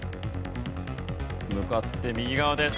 向かって右側です。